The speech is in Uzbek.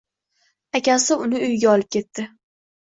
Akasi uni uyiga olib ketdi.